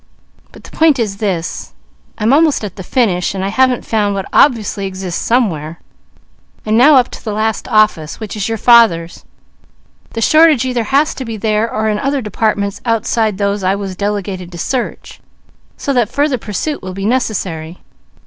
But the point is this: I'm almost at the finish and I haven't found what obviously exists somewhere. I'm now up to the last office, which is your father's. The shortage either has to be there, or in other departments outside those I was delegated to search; so that further pursuit will be necessary.